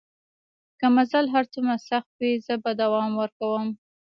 که مزل هر څومره سخت وي زه به دوام ورکوم.